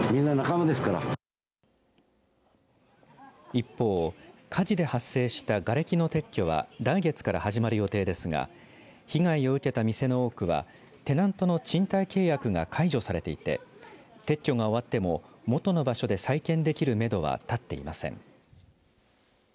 一方、火事で発生したがれきの撤去は来月から始まる予定ですが被害を受けた店の多くはテナントの賃貸契約が解除されていて撤去が終わっても元の場所で再建できるめどは立っていません。